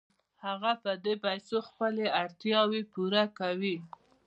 هغه په دې پیسو خپلې اړتیاوې پوره کوي